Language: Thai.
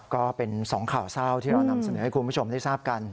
ก็เป็นสองข่าวเศร้าที่เรานำเสนอให้คุณผู้ชมได้ทราบกัน